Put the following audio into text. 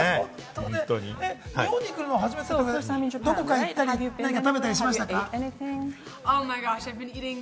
日本に来るのは初めてということで、どこかへ行ったり、何か食べたりしましたか？